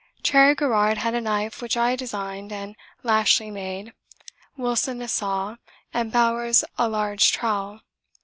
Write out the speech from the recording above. Cherry Garrard had a knife which I designed and Lashly made, Wilson a saw, and Bowers a large trowel.